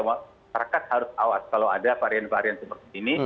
masyarakat harus awas kalau ada varian varian seperti ini